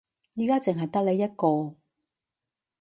而家淨係得你一個